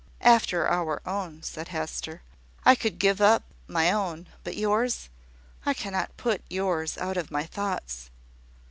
"After our own," said Hester. "I could give up my own. But yours! I cannot put yours out of my thoughts."